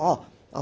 あ